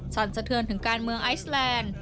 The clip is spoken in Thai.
สั่นสะเทือนถึงการเมืองไอซแลนด์